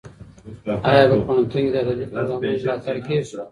ایا په پوهنتون کې د ادبي پروګرامونو ملاتړ کیږي؟